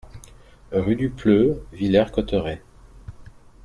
Rue du Pleu, Villers-Cotterêts